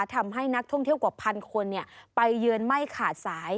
ทำให้นักท่องเที่ยวกว่าพันคนไปเยือนไม่ขาดสาย